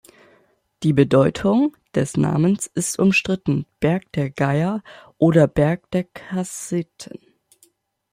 Die Bedeutung des Namens ist umstritten, "Berg der Geier" oder "Berg der Kassiten".